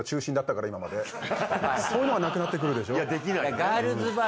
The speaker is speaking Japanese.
そういうのがなくなってくるでしょ？